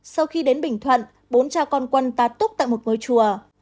sau khi đến bình thuận bốn cha con quân ta túc tại một ngôi chùa